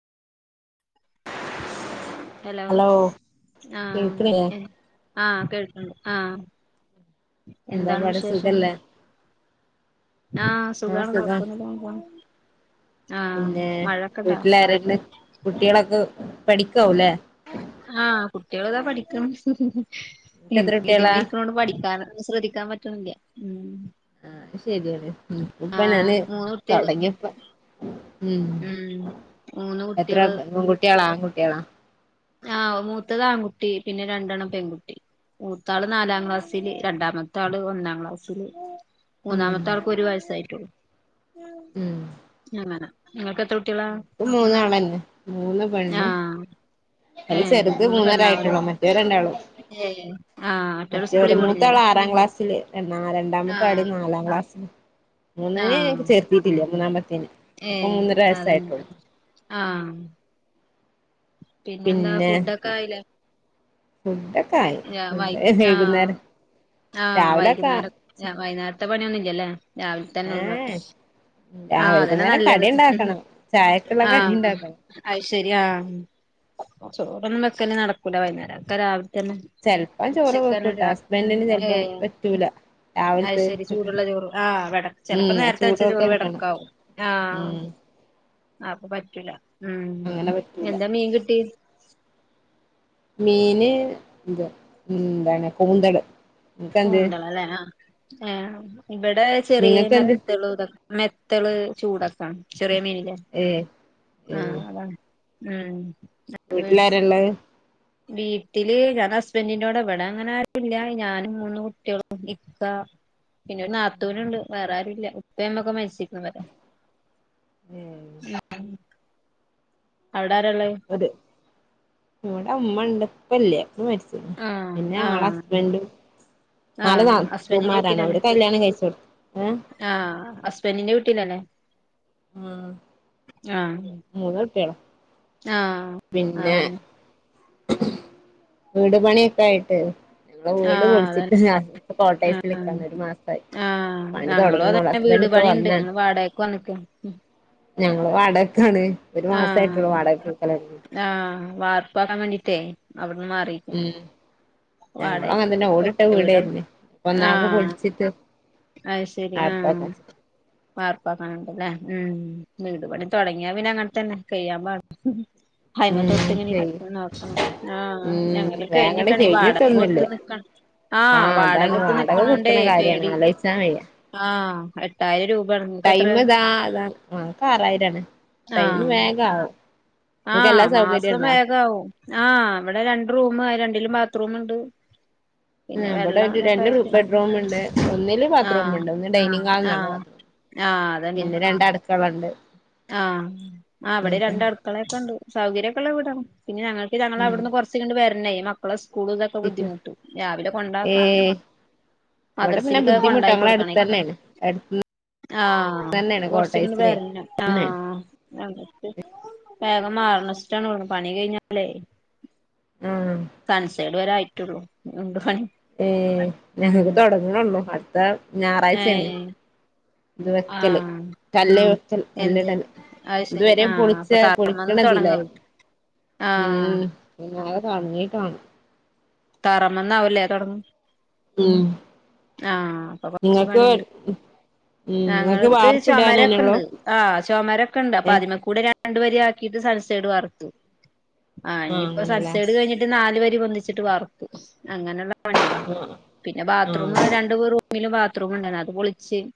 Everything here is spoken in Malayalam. ഹലോ ആഹ് കേൾക്ക്ണില്ലേ ഏഹ് ആഹ് കേൾക്ക്ണ്ട് ആഹ് എന്താ എന്താണ് പാട് വിശേഷം സുഖല്ലേ ആഹ് സുഖാണ് കുഴപ്പൊന്നുല്ലാതെ പോണ് ആഹ് പിന്നെ മഴൊക്കെണ്ടാ വീട്ടിലാരാണ് കുട്ട്യാളൊക്കെ പഠിക്കാവുല്ലേ ആഹ് കുട്ട്യാളിതാ പഠിക്ക്‌ണ് നിനക്ക് എത്ര എനിക്ക് കുട്ടികളാ ഇതുമ്മെ ഇരിക്ക്ണോണ്ട് പഠിക്കാനൊന്നും ശ്രദ്ധിക്കാൻ പറ്റ്ണില്ല ഉം ആഹ് ശരിയാണ് ഇൻക്കും ഇപ്പൊ ആഹ് ഞാന് മൂന്ന് കുട്ടികള് തൊടങ്ങിയപ്പൊ ഉം മൂന്ന് എത്ര കുട്ടികള് ആള് പെൺകുട്ട്യാളാ ആൺകുട്ട്യാളാ ആഹ് മൂത്തത് ആൺകുട്ടി പിന്നെ രണ്ടെണ്ണം പെൺകുട്ടി മൂത്താള് നാലാം ക്ലാസ്സില് രണ്ടാമത്തെ ആള് ഒന്നാം ക്ലാസ്സില് ഉം മൂന്നാമത്തെ ആൾക്ക് ഒരു വയസ്സായിട്ടൊള്ളൂ അങ്ങനെ ഇങ്ങക്ക് എത്ര കുട്ടികളാ ക്ക് മൂന്നാള തന്നെ മൂന്ന് പെണ്ണും ആഹ് അയില് ഏഹ് ചെറുത് മൂന്ന് പെണ്ണാവൂലേ മൂന്നരായിയിട്ടുള്ളോ മറ്റേരുണ്ടാളോ ഏ ആഹ് മറ്റോള് മറ്റേ ഒരു സ്കൂളിൽ മൂത്ത പോണില്ലേ ആള് ആറാം ക്ലാസ്സില് ആ രണ്ടാമത്തെ ആള് ആഹ് നാലാം ക്ലാസ്സില് മൂന്നിന് ആഹ് ചേർത്തിട്ടില്ലേ മൂന്നാമത്തത്തിന് ഏ ഇപ്പൊ മൂന്നര അതന്നെ വയസ്സായിട്ടുള്ളൂ ആഹ് പിന്നെ എന്താ ഫുഡൊക്കെ ആയില മ് ഫുഡ്ഡൊക്കെ ആയി ഞാ വൈ ഫുഡ് ആഹ് വൈകുന്നേരം ആഹ് രാവിലൊക്കെ വൈകുന്നേരം വൈകുന്നേരത്തെ പണിയൊന്നുംല്ലല്ലേ രാവിലെ തന്നെ ഉള്ള വെക്ക ഏഹ് ആ ആഹ് അതനെ വൈകുന്നേരം നല്ലത് കടി ഉണ്ടാക്കണം ചായക്കുള്ള കടി ആഹ് ഉണ്ടാക്കണം അയിശരി ആ ചോറ്ന്നും വെക്കല് നടക്കൂല വൈകുന്നേരം ഒക്കെ രാവിലെ തന്നെ ചെല്പ്പം ചോറ് ഉച്ചക്കന്നെ ഒരു വെകുട്ടാ ഹസ്ബൻഡന് ഏ ചിലപ്പം പറ്റൂല അത് ശരി രാവിലത്തെച്ചട്ട് ചൂടുള്ള ചോറ് ആഹ് വെട ചെലപ്പോ മ്മ് നേരത്തെ വെച്ച ചൂടോടുക്ക ചോറ് എടുക്കണം വെടക്കാവും മഉം [unintelligible] ആ അപ്പൊ പറ്റൂല ഉം പറ്റൂല എന്താ മീൻ കിട്ടി മീന് ഇത് എന്താണ് കൂന്തള് നിനക്കെന്ത് കൂന്തള അല്ലേ ആ ഏഹ് ഇവിടെ ചെറിയ നിങ്ങക്കെന്ത് നതൽ ഇതൊക് മെത്തള് ചൂടൊക്കാണ് ചെറിയ മീനില ഏഹ് ആഹ് അതാണ് ഉം അത് മേടിച്ച് വീട്ടിലാരാല്ലേ വീട്ടില് ഞൻ ഹസ്ബൻറിന്റെട് ഇവിട അങ്ങനെ ആരു ഇല്ല ഞാനും മൂന്നു കുട്ടിയാളും ക്ക പിന്നെ ഒരു നാത്തൂനണ്ട് വേറെ ആരു ഇല്ല ഉപ്പ ഉമ്മക്കെ മരിച്ചിരിക്കന്ന് വരാ ഉം [unintelligible] അവിടെ ആരള്ളേ അതെ ഇവടെ ഉമ്മ ഇണ്ട് പ്പല്ല പ്പ മരിച് ആഹ് പിന്നെ ആളെ ആഹ് ഹസ്ബൻഡും നല് ആഹ് ഹസ്ബൻഡിന്റെ നാതൂമാരാണ് വീട്ടിലല്ലേ അവര് കല്യാണം കഴിച്ച കൊടുത്തഏ ആഹ് ഹസ്ബൻറിന്റെ വീട്ടിലണ് ആഹ് ആഹ് മൂന്ന് കുട്ടിയാള ആഹ് അതന്നെ വീട് പണിയൊക്കെ ആയിട്ട് മ്മളെ വീട് ആഹ് അതന്നെ പൊളിച്ചിട്ട് കോട്ടേസ്ള് ആഹ് നിൽക്കന്ന ഒരു മാസമായി ആഹ് പണി തുടങ്ങനോളു ഹസ്ബൻഡ ഇപ്പൊ വന്ന വന്ന് കണ് മ്മ് ഞങ്ങള് വാടകക്കാണ് ഒരു മാസമായിട്ടുള്ളൂ ആഹ് വാടക് നിക്കൽ തുടങ്ങിട് ആഹ് വാർപ്പാക്കാൻ വേണ്ടീട്ടേ അവിടുന്ന് മാറി ഏഹ് ഞങ്ങള് അങ്ങതെന്നെ ഓടിട്ട ഒറ്റ വീടാണ് വീടായിർന് ഒനാകെ പൊളിച്ചിട്ട് അയി ശരി ആഹ് ആർപ്പാക്കാച്ചിട്ട് ബാർപ്പാക്കാനുണ്ടല്ലേ ഉം വീട് പണി തുടങ്ങിയ പിന്ന അങ്ങന തന്നെ കയാൻ പാട ഹൈമ തൊട്ട് ഉം ഇങ്ങനെ ശരി ഇ നോക്കണം ആ ഉം ഞങ്ങള് വേങ്ങട് കഴിഞ്ഞിട്ടാണ് ഈ വാടക കഴിഞ്ഞിട്ടൊന്നുല്ല കൊടുത്ത് നിക്കണം ആഹ് വാടക കൊടുത് നിക്കണോണ്ടേ പേടി ആ ആഹ് എട്ടായിരം രൂപയാണ് നിങ്ങക്ക് എത്രയാ ടൈമി താ അതാ ആക്ക് ആറായിരാണ് ടൈം ആഹ് വേഗ ആവും നിങ്ങക്ക് ആഹ് എല്ലാ സൗകര്യം മാസം ഉണ്ടോ വേഗവും ആഹ് ഇവിടെ രണ്ട് റൂം രണ്ടിലും ബാത്റൂമ്ണ്ട് ആഹ് ഇവിടെ ഒരു രണ്ട് റൂ ബെഡ്റൂമ് ഇണ്ട് ഒന്നില് ബാത്ത്റൂമ് ആഹ് ഉണ്ട് ഒന്ന് ഡൈനിങ് ഹാളിലാണ് ആഹ് ബാത്ത്റൂം ആഹ് അതാണ് [unintelligible] ആഹ് ആഹ് അവിടെ രണ്ട് അങ്ങനത്തന്നെ അടുക്കളേക്ക ഉണ്ട്. സൗകര്യമൊക്കെ ഉള്ള വീടാണ് പിന്നെ ഞങ്ങൾക്ക് ഞങ്ങളുടെ ഉം അവിടുന്ന് കൊറ ച്ച് ഇങ്ങട് വരണേ മക്കള സ്കൂളും ഇതൊക്ക സിറ്റ് ബുദ്ധിമുട്ട് രാവിലെ കൊണ്ടാക്കണം ഏഹ് ഇവിടെ പിന്നെ മദ്രസേലക്ക ബുദ്ധിമുട്ടാ കൊണ്ടാക്കി ഞങ്ങളെ കൊടുക്കണം അടുത്ത് ഇപ്പ തന്നെയാണ് അടുത്ത് ആഹ് തന്നെയാണ് കൊറച്ചിങ്ങട് കോട്ടേഴ്സിലെ വരണം. തന്നെയാണ് ആഹ് [unintelligible] വേഗം മാറണച്ചിട്ടാണ് പണി കഴിഞ്ഞാലേ ഉം സൺ ഷെയിഡ് വരെ ആയിട്ടുള്ളൂ ഇനീം ഉണ്ട് പണി. ഏഹ് ഞങ്ങക്ക് ഉം തൊടങ്ങ്ണെ ഉള്ളു അടുത്ത ഞാറാഴ്‌ച്ചേണ് ഏഹ് ആഹ് വെക്കൽ എന്ത് കല്ലിടല് അത് ശരി ഇതുവരെ ആഹ് പൊളിച്ച അപ്പൊ തറമേന്ന് തൊടങ്ങും. പൊളിക്കണതിലായിരുന്നു ആഹ് കുഞ്ഞു വാവ കാണുന്നേ കാണും. തറമെന്നാവുല്ലേ തൊടങ്ങു ഉം ആഹ് അപ്പൊ കൊറച്ച് നിങ്ങൾക്ക് പണിയുണ്ട്. ഉം നിങ്ങൾക്ക് ഞങ്ങളത് ചൊമരൊക്കെ വാർപ്പിടാനന്നെള്ളൂ ഉണ്ട് ആഹ് ചൊമരൊക്കെ ഉണ്ട് അപ്പൊ ഏ അതിമേ കൂടെ ര രണ്ടു വരി ആക്കീട്ട് സൺസൈഡ് വാർക്കും ആഹ് ഇനിയിപ്പോ സൺസൈഡ് കഴിഞ്ഞി ട്ട് നാലുവരി പൊന്തിച്ചിട്ട് വാർപ്പ് അങ്ങനെയുള്ള പണികളാ ആഹ് പിന്നെ ബാത്റൂമ് ആഹ് രണ്ട് [unintelligible] മില് ബാത്ത് റൂം ഉണ്ടാർന്ന് അത് പൊളിച്ച്